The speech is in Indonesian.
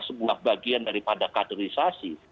sebuah bagian daripada kaderisasi